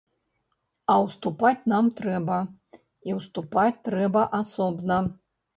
А ўступаць нам трэба, і ўступаць трэба асобна.